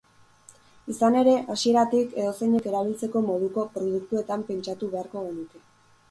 Izan ere, hasieratik, edozeinek erabiltzeko moduko produktuetan pentsatu beharko genuke.